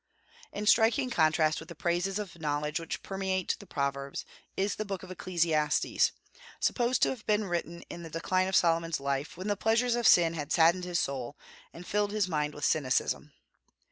In striking contrast with the praises of knowledge which permeate the Proverbs, is the book of Ecclesiastes, supposed to have been written in the decline of Solomon's life, when the pleasures of sin had saddened his soul, and filled his mind with cynicism.